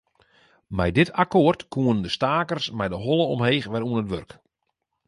Mei dit akkoart koenen de stakers mei de holle omheech wer oan it wurk.